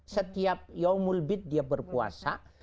setiap yawmul bid dia berpuasa